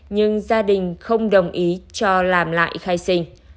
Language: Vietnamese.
nhưng gia đình không đồng ý cho làm lại khai sinh